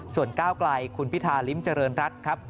ส่วนก้าวไกลคุณพิธาริมเจริญรัฐครับ